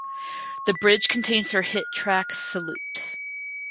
The Bridge contains her hit track "Salute".